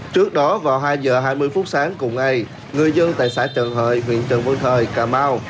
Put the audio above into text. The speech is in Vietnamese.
trước đó vào hai h hai mươi phút sáng cùng ngày người dân tại xã trần hợi huyện trần văn thời cà mau